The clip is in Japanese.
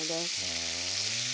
へえ。